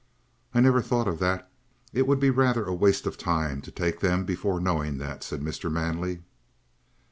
"I never thought of that. It would be rather a waste of time to take them before knowing that," said Mr. Manley.